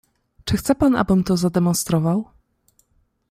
"Czy chce pan abym to zademonstrował?"